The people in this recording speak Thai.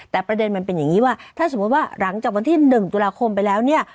แต่ประเด็นมันเป็นอย่างนี้ว่าถ้าสมมุติว่าหลังจากวันที่๑ตุลาคมไปแล้วเนี่ย